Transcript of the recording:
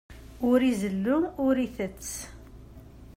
Ur izellu, ur itett.